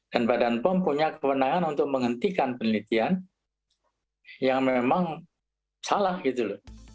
dan badan pom punya kewenangan untuk menghentikan penelitian yang memang salah gitu loh